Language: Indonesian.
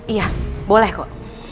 iya boleh kok